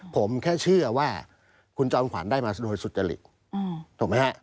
ผมแค่เชื่อว่าคุณจอมขวัญได้มาโดยสุจริตถูกไหมฮะ